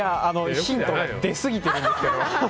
ヒントが出すぎてるんです。